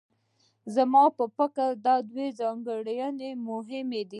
زما په فکر دا دوه ځانګړنې مهمې دي.